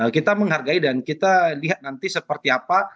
kita menghargai dan kita lihat nanti seperti apa